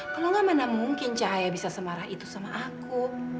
kalau gak mana mungkin cahaya bisa semarah itu sama aku